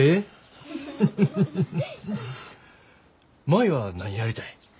舞は何やりたい？